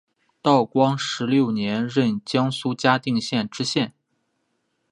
道光十六年任江苏嘉定县知县。